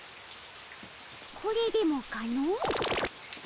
これでもかの。